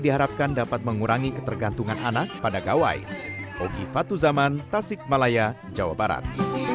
diharapkan dapat mengurangi ketergantungan anak pada gawai fatu zaman tasik malaya jawa barat